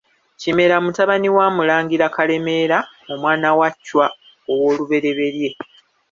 KIMERA mutabani wa Mulangira Kalemeera omwana wa Chwa I.